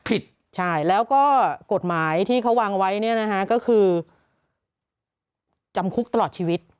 ผิดใช่แล้วก็กฎหมายที่เขาวางไว้เนี่ยนะฮะก็คือจำคุกตลอดชีวิต